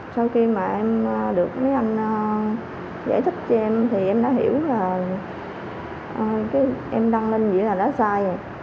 sau khi mà em được mấy anh giải thích cho em thì em đã hiểu là em đăng lên dĩa là đã sai rồi